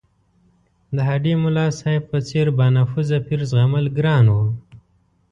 د هډې ملاصاحب په څېر بانفوذه پیر زغمل ګران وو.